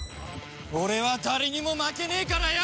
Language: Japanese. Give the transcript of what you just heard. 俺は誰にも負けねえからよ！